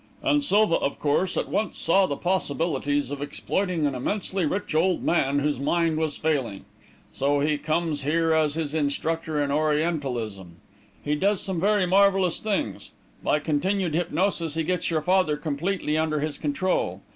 "And Silva, of course, at once saw the possibilities of exploiting an immensely rich old man, whose mind was failing. So he comes here as his instructor in Orientalism; he does some very marvellous things; by continued hypnosis, he gets your father completely under his control.